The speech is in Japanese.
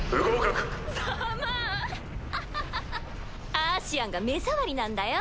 アーシアンが目障りなんだよ。